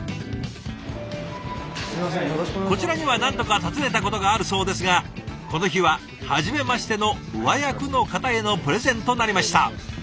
こちらには何度か訪ねたことがあるそうですがこの日ははじめましての上役の方へのプレゼンとなりました。